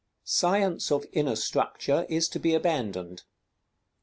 _Science of inner structure is to be abandoned.